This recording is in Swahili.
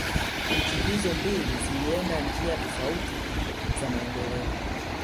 Nchi hizo mbili zilienda njia tofauti za maendeleo